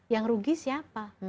yang rugi siapa